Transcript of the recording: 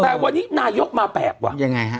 แต่วันนี้นายกมาแบบว่า